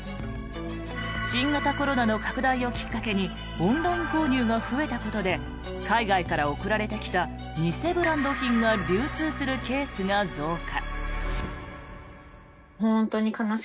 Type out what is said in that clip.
新型コロナの拡大をきっかけにオンライン購入が増えたことで海外から送られてきた偽ブランド品が流通するケースが増加。